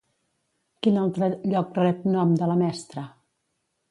Quin altre lloc rep nom de la mestra?